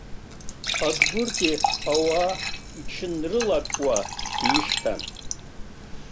Адгәыргьы ауаа иҽынрылакуа дишьҭан.